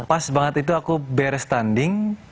pas banget itu aku beres tanding